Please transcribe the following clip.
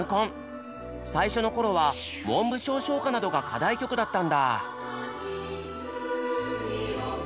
最初の頃は文部省唱歌などが課題曲だったんだ。